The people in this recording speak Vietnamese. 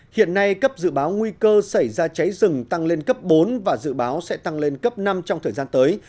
hiện nay cấp dự báo nguy cơ xảy ra cháy rừng tăng lên cấp bốn và dự báo sẽ tăng lên cấp năm trong thời gian tới